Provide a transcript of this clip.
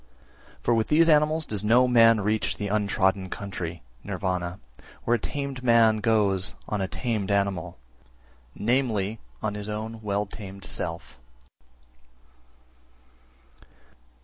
323. For with these animals does no man reach the untrodden country (Nirvana), where a tamed man goes on a tamed animal, viz. on his own well tamed self.